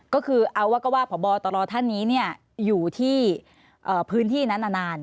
ก็คือเอาว่าก็ว่าพบตรท่านนี้อยู่ที่พื้นที่นั้นนาน